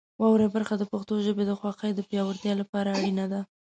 واورئ برخه د پښتو ژبې د خوښۍ د پیاوړتیا لپاره اړینه ده.